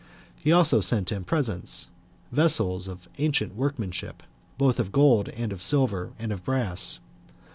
He also sent him presents, vessels of ancient workmanship, both of gold, of silver, and of brass.